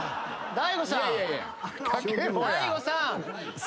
大悟さん。